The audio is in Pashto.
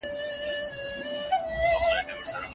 په دې پېښه کي د ټول زیان مسؤولیت پر غاړه اخیستل کېږي.